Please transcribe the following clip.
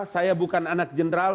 saya bukan anak jenderal